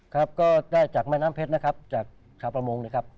ครับก็ได้จากแม่น้ำเพชรนะครับ